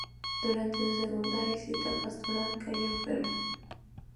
Durante su segunda visita pastoral, cayó enfermo.